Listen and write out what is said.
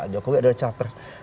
jokowi adalah capers